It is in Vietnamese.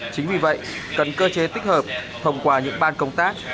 chính vì vậy cần cơ chế tích hợp thông qua những ban công tác